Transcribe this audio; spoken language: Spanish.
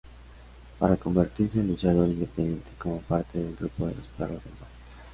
Para convertirse en luchador independiente como parte del grupo de los perros del mal.